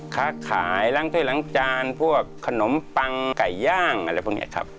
ค้าขายล้างเพศล้างจานพวกขนมปังไก่ย่างอะไรพวกนี้ครับ